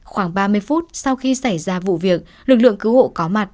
khoảng ba mươi phút sau khi xảy ra vụ việc lực lượng cứu hộ có mặt